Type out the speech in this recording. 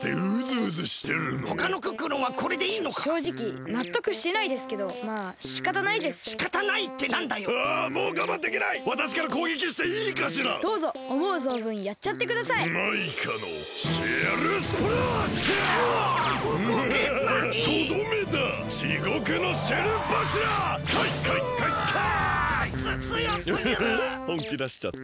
ウフフほんきだしちゃった。